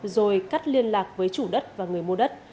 rồi cắt liên lạc với chủ đất và người mua đất